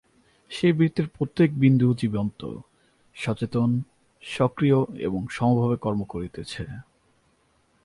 সেই বৃত্তের প্রত্যেক বিন্দু জীবন্ত, সচেতন, সক্রিয় এবং সমভাবে কর্ম করিতেছে।